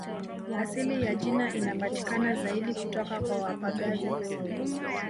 Asili ya jina inapatikana zaidi kutoka kwa wapagazi